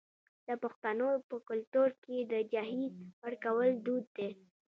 د پښتنو په کلتور کې د جهیز ورکول دود دی.